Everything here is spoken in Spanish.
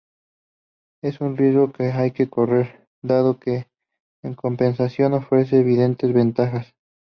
Es un riesgo que hay que correr dado que, en compensación, ofrece evidentes ventajas.